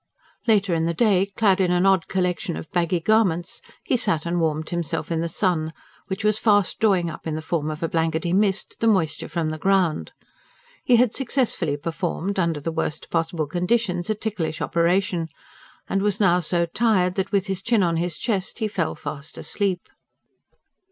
Later in the day, clad in an odd collection of baggy garments, he sat and warmed himself in the sun, which was fast drawing up in the form of a blankety mist the moisture from the ground. He had successfully performed, under the worst possible conditions, a ticklish operation; and was now so tired that, with his chin on his chest, he fell fast asleep.